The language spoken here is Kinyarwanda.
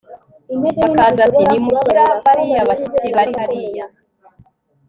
bakaza ati 'nimushyira bariya bashyitsi bari hariya